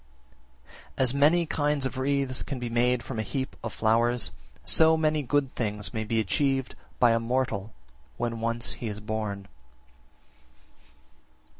53. As many kinds of wreaths can be made from a heap of flowers, so many good things may be achieved by a mortal when once he is born.